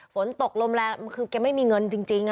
ฝนตกลมแรงคือแกไม่มีเงินจริง